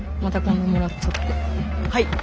はい！